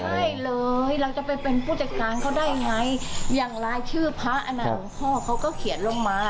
ใช่เลยเราจะไปเป็นผู้จัดการเขาได้ไงอย่างรายชื่อพระอันนั้นหลวงพ่อเขาก็เขียนลงมา